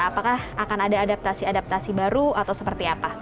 apakah akan ada adaptasi adaptasi baru atau seperti apa